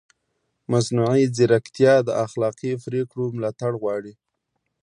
مصنوعي ځیرکتیا د اخلاقي پرېکړو ملاتړ غواړي.